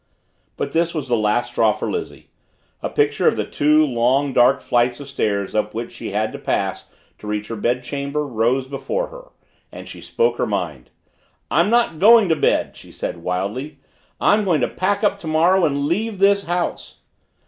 But this was the last straw for Lizzie. A picture of the two long, dark flights of stairs up which she had to pass to reach her bedchamber rose before her and she spoke her mind. "I am not going to bed!" she said wildly. "I'm going to pack up tomorrow and leave this house."